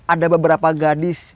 ada beberapa gadis